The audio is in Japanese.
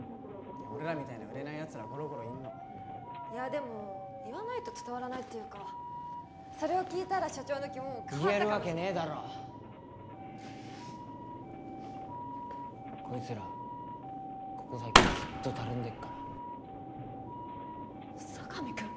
俺らみたいな売れないやつらゴロゴロいんのいやでも言わないと伝わらないっていうかそれを聞いたら社長の気も変わ言えるわけねえだろこいつらここ最近ずっとたるんでっから佐神くん！？